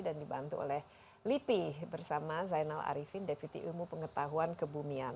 dan dibantu oleh lipi bersama zainal arifin deputy ilmu pengetahuan kebumian